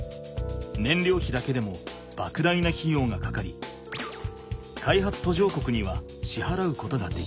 ねんりょうひだけでもばく大なひようがかかり開発途上国にはしはらうことができない。